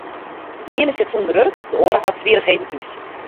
De iene sit sûnder wurk, de oare hat swierrichheden thús.